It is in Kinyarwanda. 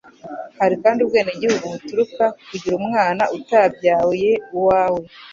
Hari kandi ubwenegihugu buturuka k'ukugira umwana utabyaye uwawe